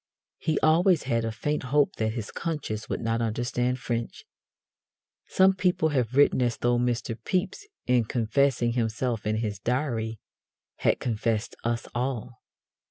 He always had a faint hope that his conscience would not understand French. Some people have written as though Mr. Pepys, in confessing himself in his Diary, had confessed us all.